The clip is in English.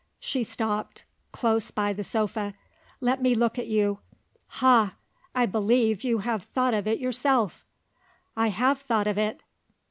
She stopped, close by the sofa. "Let me look at you. Ha! I believe you have thought of it yourself?" "I have thought of it."